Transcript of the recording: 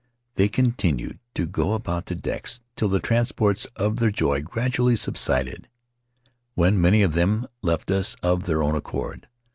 ... They continued to go about the decks till the transports of their joy gradually subsided, when many of them left us of their own accord.